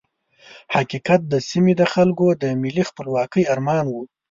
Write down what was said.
حقیقت د سیمې د خلکو د ملي خپلواکۍ ارمان وو.